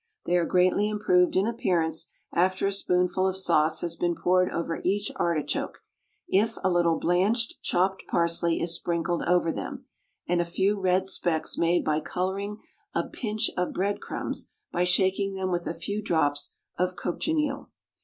They are greatly improved in appearance, after a spoonful of sauce has been poured over each artichoke, if a little blanched chopped parsley is sprinkled over them, and a few red specks made by colouring a pinch of bread crumbs by shaking them with a few drops of cochineal.